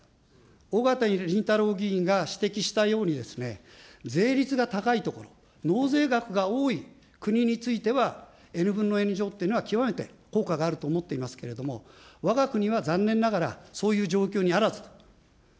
おがたりんたろう議員が指摘したように、税率が高いところ、納税額が多い国については、Ｎ分のＮ乗というのは極めて効果があると思っていますけれども、わが国は残念ながら、そういう状況にあらずと。